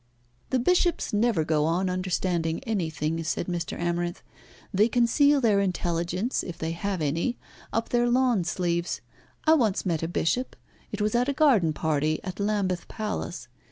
"The Bishops never go on understanding anything," said Mr. Amarinth. "They conceal their intelligence, if they have any, up their lawn sleeves. I once met a Bishop. It was at a garden party at Lambeth Palace.